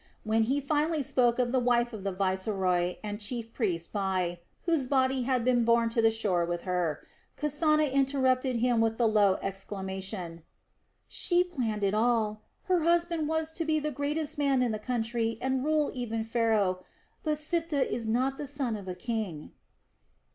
When he finally spoke of the wife of the viceroy and chief priest Bai, whose body had been borne to the shore with her, Kasana interrupted him with the low exclamation: "She planned it all. Her husband was to be the greatest man in the country and rule even Pharaoh; for Siptah is not the son of a king."